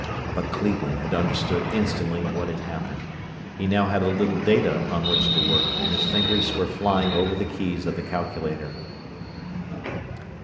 But Cleveland had understood instantly what had happened. He now had a little data upon which to work, and his fingers were flying over the keys of the calculator.